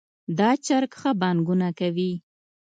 دا چرګ ښه بانګونه کوي